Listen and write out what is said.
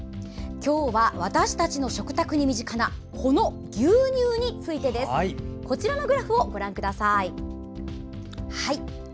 今日は私たちの食卓に身近な牛乳についてです。こちらのグラフをご覧ください。